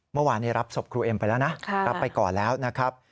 เมื่อวานรับศพครูเอ็มไปแล้วนะรับไปก่อนแล้วนะครับ